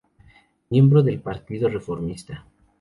Miembro del Partido Reformista.